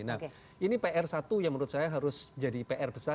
nah ini pr satu yang menurut saya harus jadi pr besar